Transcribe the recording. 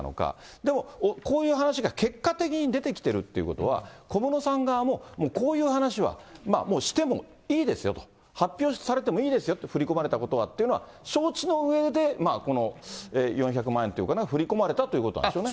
でも、こういう話が結果的に出てきてるということは、小室さん側ももうこういう話はもうしてもいいですよと、発表されてもいいですよって、振り込まれたことはってことは、承知のうえで、この４００万円というお金が振り込まれたってことなんでしょうね。